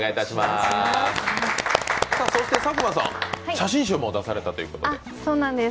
佐久間さん、写真集も出されたということで。